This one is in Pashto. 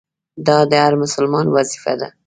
دا د هر مسلمان وظیفه ده.